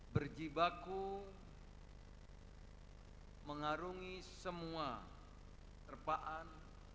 berjibaku mengarungi semua terpaan